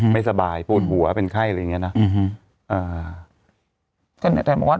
ไม่สบายปวดหัวเป็นไข้อะไรอย่างนี้นะ